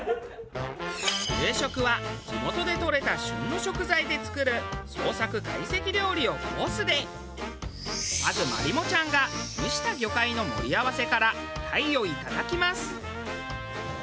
夕食は地元でとれた旬の食材で作るまずまりもちゃんが蒸した魚介の盛り合わせから鯛をいただきます。